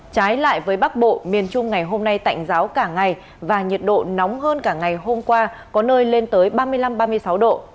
trái lại với bắc bộ miền trung ngày hôm nay tạnh giáo cả ngày và nhiệt độ nóng hơn cả ngày hôm qua có nơi lên tới ba mươi năm ba mươi sáu độ